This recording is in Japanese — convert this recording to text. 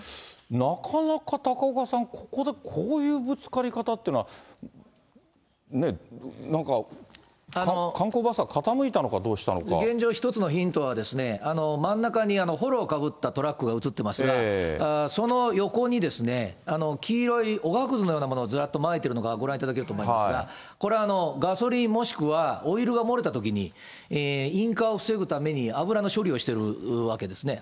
なかなか高岡さん、ここで、こういうぶつかり方ってのは、なんか、観光バスは傾いたのか、どうした現状、一つのヒントは、真ん中にほろをかぶったトラックが写ってますが、その横に、黄色いおがくずのようなものがずらっとまいているのが、ご覧いただけると思いますが、これ、ガソリン、もしくはオイルが漏れたときに、引火を防ぐために油の処理をしているわけですね。